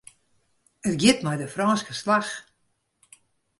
It giet mei de Frânske slach.